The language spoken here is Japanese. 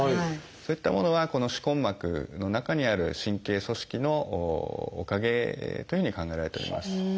そういったものはこの歯根膜の中にある神経組織のおかげというふうに考えられております。